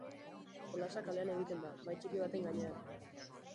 Jolasa kalean egiten da, mahai txiki baten gainean.